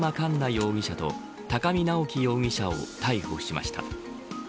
容疑者と高見直輝容疑者を逮捕しました。